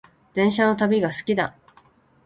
電車の旅が好きだ